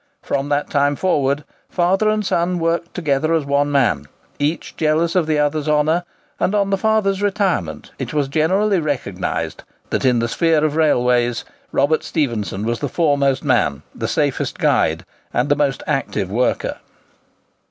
From that time forward, father and son worked together as one man, each jealous of the other's honour; and on the father's retirement, it was generally recognized that, in the sphere of railways, Robert Stephenson was the foremost man, the safest guide, and the most active worker.